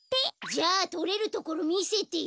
じゃあとれるところみせてよ。